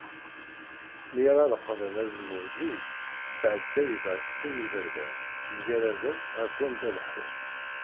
Mi ara leqḍen azemmur zik, yettεedday-d γef sin n yiberdan, mgaraden, γer wanda leḥḥun.